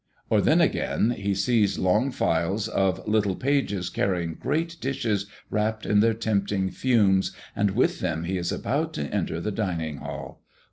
Or then again, he sees long files of little pages carrying great dishes wrapped in their tempting fumes, and with them he is about to enter the dining hall.